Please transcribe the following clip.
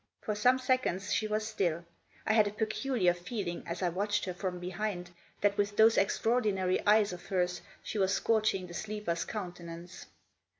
For some seconds she was still ; I had a peculiar feeling, as I watched her from behind, that with those extraordinary eyes of hers she was scorching the sleeper's countenance.